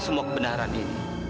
semua kebenaran ini